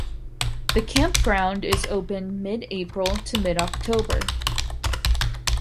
The campground is open mid-April to mid-October.